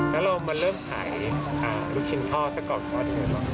แล้วเรามาเริ่มขายลูกชิ้นท่อสักก่อน